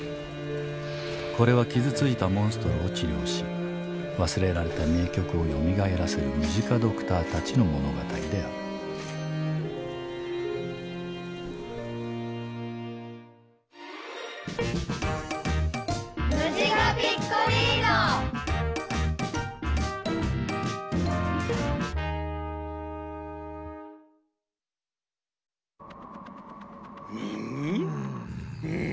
これは傷ついたモンストロを治療し忘れられた名曲をよみがえらせるムジカドクターたちの物語であるむむ？